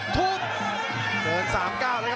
ทุบโดนสามก้าวแล้วครับ